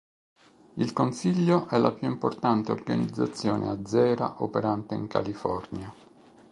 Il Consiglio è la più grande organizzazione azera operante in California.